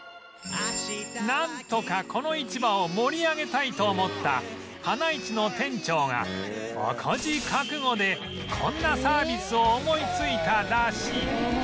なんとかこの市場を盛り上げたいと思った花いちの店長が赤字覚悟でこんなサービスを思いついたらしい